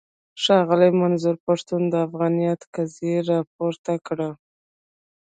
ښاغلي منظور پښتين د افغانيت قضيه راپورته کړه.